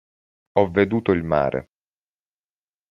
Ho veduto il mare.